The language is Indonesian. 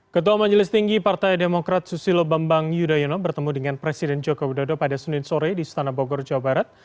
ketua majelis tinggi partai demokrat susilo bambang yudhoyono bertemu dengan presiden joko widodo pada senin sore di stana bogor jawa barat